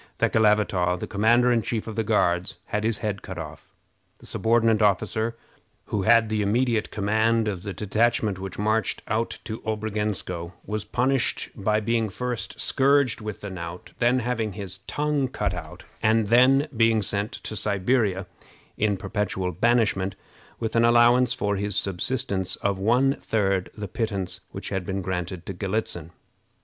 Thekelavitaw, the commander in chief of the Guards, had his head cut off. The subordinate officer who had the immediate command of the detachment which marched out to Obrogensko was punished by being first scourged with the knout, then having his tongue cut out, and then being sent to Siberia in perpetual banishment, with an allowance for his subsistence of one third the pittance which had been granted to Galitzin.